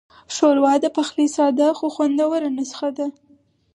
ښوروا د پخلي ساده خو خوندوره نسخه ده.